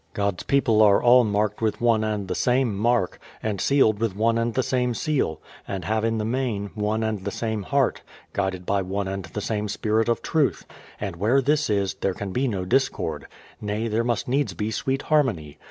God's people are all marked with one and the same mark, and sealed with one and the same seal, and have in the main, one and the same heart, guided by one and the same spirit of truth; and where this is, there can be no discord, — nay, there must needs be sweet harmony.